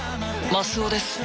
マスオですおお！